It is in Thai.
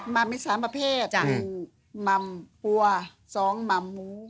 ม่ำมี๓ประเภทม่ำวัว๒ม่ำหมู